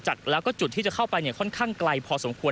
แล้วก็จุดที่จะเข้าไปเนี่ยค่อนข้างไกลพอสมควร